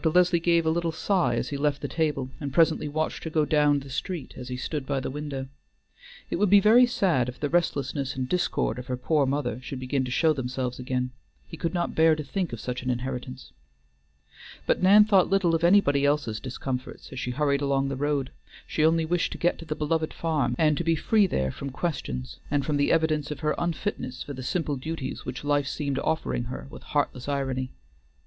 Leslie gave a little sigh as he left the table, and presently watched her go down the street as he stood by the window. It would be very sad if the restlessness and discord of her poor mother should begin to show themselves again; he could not bear to think of such an inheritance. But Nan thought little of anybody else's discomforts as she hurried along the road; she only wished to get to the beloved farm, and to be free there from questions, and from the evidences of her unfitness for the simple duties which life seemed offering her with heartless irony.